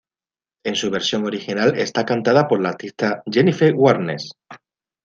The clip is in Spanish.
En su versión original está cantada por la artista Jennifer Warnes.